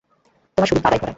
তোমার শরীর কাদায় ভরা।